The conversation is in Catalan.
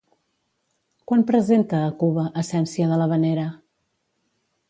Quan presenta a Cuba Essència de l'havanera?